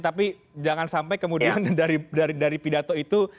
tapi jangan sampai kemudian dari pidato itu